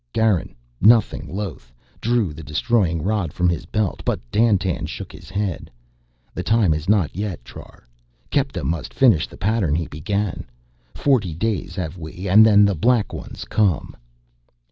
Garin, nothing loath, drew the destroying rod from his belt, but Dandtan shook his head. "The time is not yet, Trar. Kepta must finish the pattern he began. Forty days have we and then the Black Ones come."